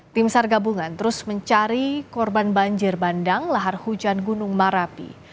tim sargabungan terus mencari korban banjir bandang lahar hujan gunung marapi